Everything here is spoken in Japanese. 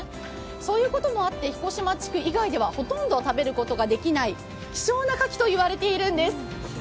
そういうこともあって彦島地区以外ではほとんど食べることができない希少な牡蠣といわれているんです。